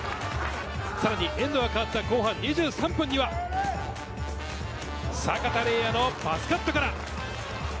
さらにエンドが変わった後半２３分には阪田澪哉のパスカットから。